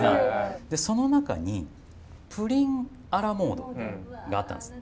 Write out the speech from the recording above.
でその中にプリンアラモードがあったんですよ。